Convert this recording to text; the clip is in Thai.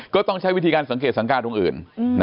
ก็ต้องใช้วิธีการสังเกตสังการตรงอื่น